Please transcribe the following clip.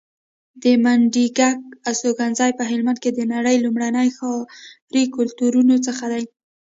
د منډیګک استوګنځی په هلمند کې د نړۍ لومړني ښاري کلتورونو څخه دی